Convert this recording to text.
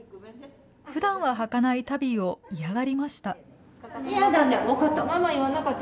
ふだんははかない足袋を嫌がりました。